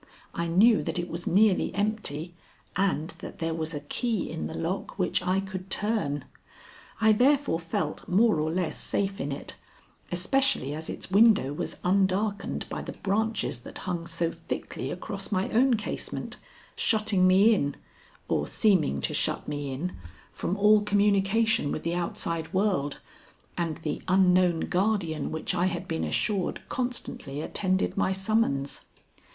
I knew that it was nearly empty and that there was a key in the lock which I could turn. I therefore felt more or less safe in it, especially as its window was undarkened by the branches that hung so thickly across my own casement, shutting me in, or seeming to shut me in, from all communication with the outside world and the unknown guardian which I had been assured constantly attended my summons.